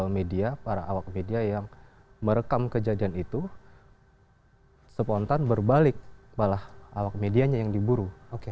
media para awak media yang merekam kejadian itu spontan berbalik malah awak medianya yang diburu